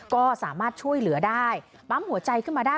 ก็สามารถช่วยเหลือได้ปั๊มหัวใจขึ้นมาได้